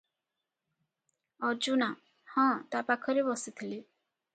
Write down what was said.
ଅର୍ଜୁନା - "ହଁ, ତା ପାଖରେ ବସିଥିଲେ ।"